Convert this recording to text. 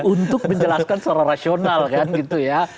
untuk menjelaskan secara rasional kan gitu ya